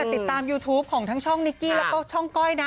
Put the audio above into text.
ที่ตามยูทูปทางช่องในกี้และช่องก้อยนะ